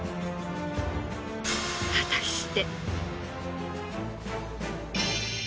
果たして。